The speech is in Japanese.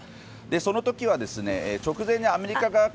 その時は直前にアメリカ側から。